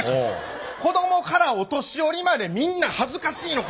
子どもからお年寄りまでみんな恥ずかしいの。